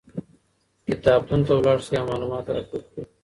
کتابتون ته لاړ شئ او معلومات راټول کړئ.